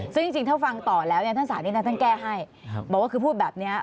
ซึ่งจริงถ้าฟังต่อแล้วเนี่ยท่านศาลนี้นะท่านแก้ให้บอกว่าคือพูดแบบนี้